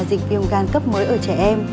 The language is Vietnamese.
dịch viêm gan cấp mới ở trẻ em